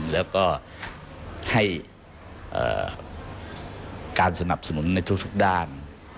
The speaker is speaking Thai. แล้วก็ให้การสนับสนุนในทุกด้าน